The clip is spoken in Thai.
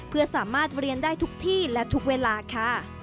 เพื่อสามารถเรียนได้ทุกที่และทุกเวลาค่ะ